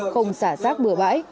không xả xác bữa bãi